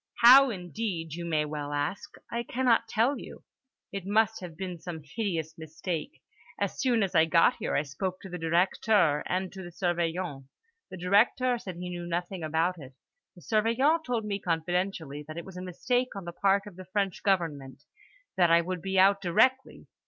"How indeed, you may well ask! I cannot tell you. It must have been some hideous mistake. As soon as I got here I spoke to the Directeur and to the Surveillant. The Directeur said he knew nothing about it; the Surveillant told me confidentially that it was a mistake on the part of the French government; that I would be out directly.